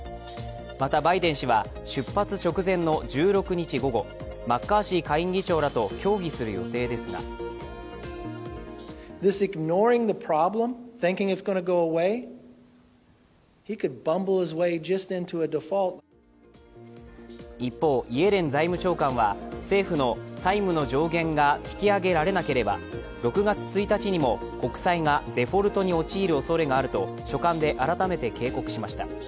また、バイデン氏は出発直前の１６日午後、マッカーシー下院議長らと協議する予定ですが一方、イエレン財務長官は政府の債務の上限が引き上げられなければ、６月１日にも国債がデフォルトに陥るおそれがあると書簡で改めて警告しました。